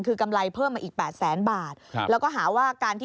คือกำไรเพิ่มมาอีก๘แสนบาท